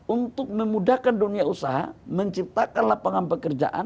untuk memudahkan dunia usaha menciptakan lapangan pekerjaan